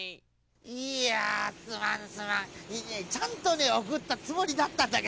いやすまんすまんちゃんとねおくったつもりだったんだけどね。